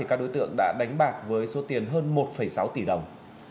các đối tượng đã đánh bạc với số tiền hơn một sáu tỷ đồng